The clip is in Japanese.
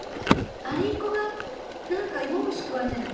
アリンコがなんかイモムシくわえてるの？